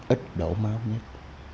ít đổ máu nhất